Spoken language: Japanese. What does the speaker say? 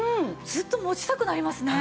ずっと持ちたくなりますね。